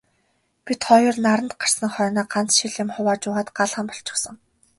Бид хоёр наранд гарсан хойноо ганц шил юм хувааж уугаад гал хам болчихсон.